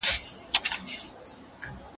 زه به سبا کتابونه وليکم!؟!؟